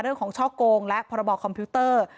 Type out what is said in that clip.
เรื่องของช่อกงและพรบคอมพิวเตอร์